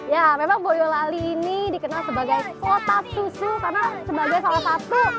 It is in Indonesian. ya memang boyolali ini dikenal sebagai kota susu karena sebagai salah satu